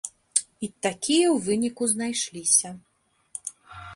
І такія, у выніку, знайшліся.